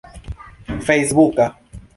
fejsbuka